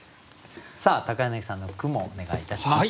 柳さんの句もお願いいたします。